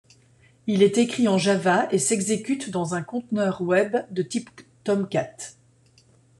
Il est écrit en Java et s'exécute dans un conteneur web de type Tomcat.